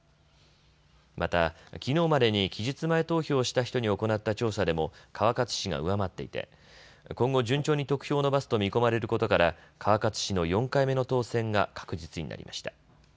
また、きのうまでに期日前投票をした人に行った調査でも川勝氏が上回っていて今後、順調に得票を伸ばすと見込まれることから川勝氏の４回目の当選が確実になりました。